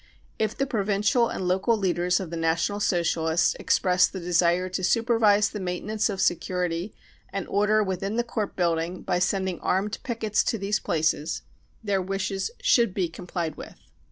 If the provincial and local leaders of the National Socialists express the desire to supervise the maintenance of security and order within the court buildings by sending armed pickets to these places, their wishes ;| should be complied with."